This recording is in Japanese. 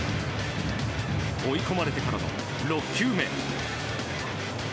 追い込まれてからの６球目。